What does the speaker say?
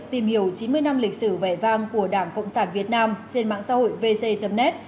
tìm hiểu chín mươi năm lịch sử vẻ vang của đảng cộng sản việt nam trên mạng xã hội vc net